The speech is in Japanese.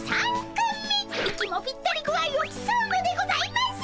息もぴったり具合をきそうのでございます！